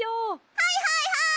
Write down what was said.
はいはいはい！